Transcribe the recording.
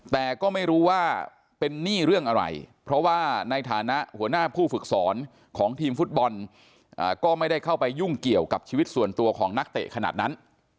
แต่ก็ไม่รู้ว่าเป็นหนี้เรื่องอะไรเพราะว่าในฐานะหัวหน้าผู้ฝึกสอนของทีมฟุตบอลก็ไม่ได้เข้าไปยุ่งเกี่ยวกับชีวิตส่วนตัวของนักเตะขนาดนั้น